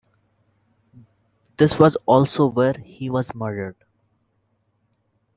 This was also where he was murdered.